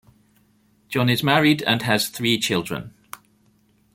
John is married and has three children.